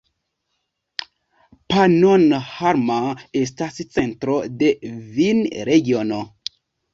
Pannonhalma estas centro de vinregiono.